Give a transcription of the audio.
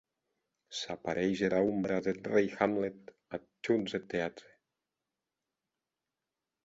S’apareish era ombra deth rei Hamlet ath hons deth teatre.